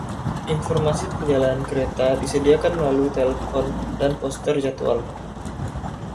Informasi perjalanan kereta disediakan melalui telepon dan poster jadwal.